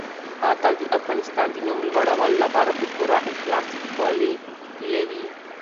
هغه تل د افغانستان د نوم لوړولو لپاره په پوره اخلاص خولې تويوي.